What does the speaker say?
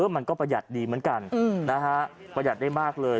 ประหยัดดีเหมือนกันนะฮะประหยัดได้มากเลย